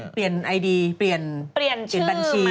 เปลี่ยนไอดีเปลี่ยนบัญชี